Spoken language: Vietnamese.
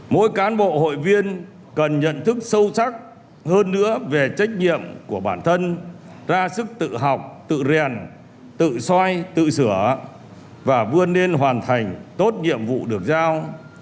mỗi cán bộ hội viên cần nhận thức sâu sắc hơn nữa về trách nhiệm của bản thân ra sức tự học tự rèn tự soi tự sửa và vươn lên hoàn thành tốt nhiệm vụ được giao